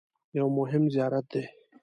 یو مهم زیارت دی.